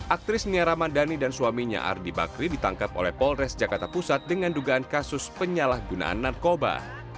aktris nia ramadhani dan suaminya ardi bakri ditangkap oleh polres jakarta pusat dengan dugaan kasus penyalahgunaan narkoba